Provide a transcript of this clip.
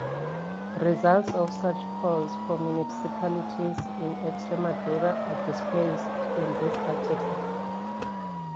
Results of such polls for municipalities in Extremadura are displayed in this article.